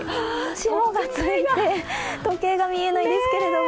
霜がついて時計が見えないですけれども。